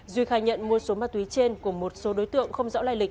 duy khai nhận mua số ma túy trên của một số đối tượng không rõ lai lịch